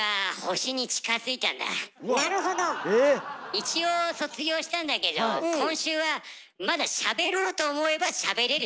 一応卒業したんだけど今週はまだしゃべろうと思えばしゃべれる状態なんだ。